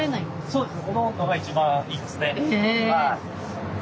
そうです。